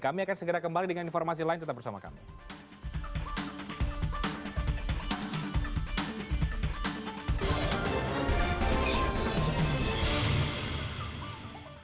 kami akan segera kembali dengan informasi lain tetap bersama kami